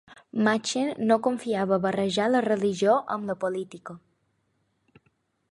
Machen no confiava a barrejar la religió amb la política.